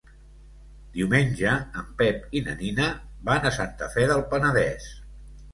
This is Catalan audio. Diumenge en Pep i na Nina van a Santa Fe del Penedès.